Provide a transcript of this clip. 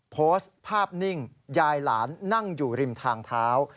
โพสต์ภาพนิ่งยายหลานนั่งอยู่ริมทางเท้า